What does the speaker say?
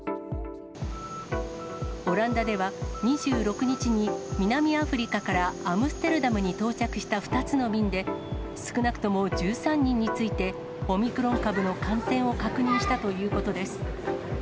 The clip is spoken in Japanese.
オランダでは２６日に、南アフリカからアムステルダムに到着した２つの便で、少なくとも１３人について、オミクロン株の感染を確認したということです。